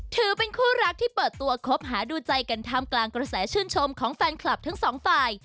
ถือเป็นคู่รักที่เปิดตัวคบหาดูใจกันท่ามกลางกระแสชื่นชมของแฟนคลับทั้งสองฝ่าย